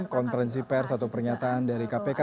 konferensi pers atau pernyataan dari kpk